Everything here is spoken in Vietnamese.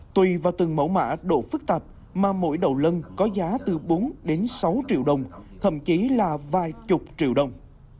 tùy vào từng mẫu mã độ phức tạp mà mỗi đầu lân có giá từ bốn đến sáu triệu đồng thậm chí là vài chục triệu đồng